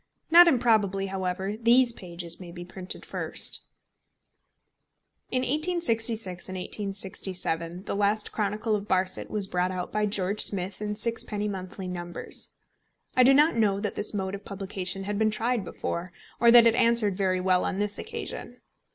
Not improbably, however, these pages may be printed first. In 1866 and 1867 The Last Chronicle of Barset was brought out by George Smith in sixpenny monthly numbers. I do not know that this mode of publication had been tried before, or that it answered very well on this occasion.